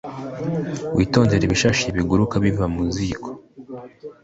witondere ibishashi biguruka biva mu ziko